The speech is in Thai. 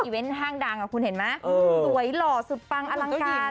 เวนต์ห้างดังคุณเห็นไหมสวยหล่อสุดปังอลังการ